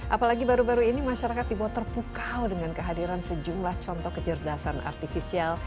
apalagi baru baru ini masyarakat di bawah terpukau dengan kehadiran sejumlah contoh kecerdasan artifisial